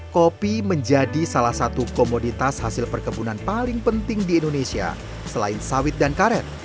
kopi menjadi salah satu komoditas hasil perkebunan paling penting di indonesia selain sawit dan karet